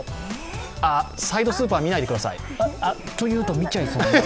サイドスーパー、見ないでくださいというと、見ちゃいそうで。